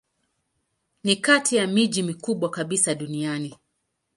Ni kati ya miji mikubwa kabisa duniani.